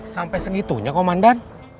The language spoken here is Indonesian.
sampai segitunya komandan